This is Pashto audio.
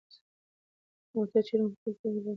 موټر چلونکي په خپل تندي باندې خولې پاکې کړې.